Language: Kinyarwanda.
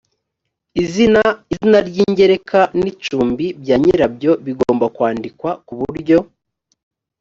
izina izina ry ingereka n icumbi bya nyirabyo bigomba kwandikwa ku buryo